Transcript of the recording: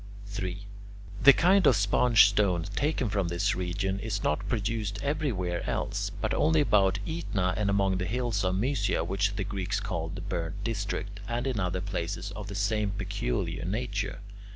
3. The kind of sponge stone taken from this region is not produced everywhere else, but only about Aetna and among the hills of Mysia which the Greeks call the "Burnt District," and in other places of the same peculiar nature.